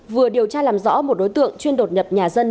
vừa điều tra làm rõ một đối tượng chuyên đột nhập nhà dân